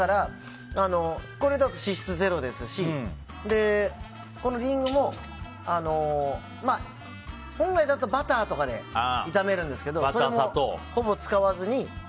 これだと脂質ゼロですしこのリンゴも本来だとバターとかで炒めるんですけどそれもほぼ使わずに。